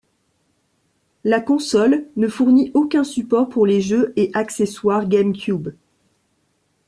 La console ne fournit aucun support pour les jeux et accessoires GameCube.